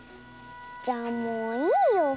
じゃあもういいよ。